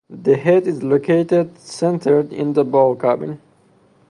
The head is located centered in the bow cabin.